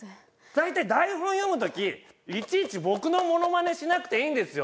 大体台本読む時いちいち僕のモノマネしなくていいんですよ。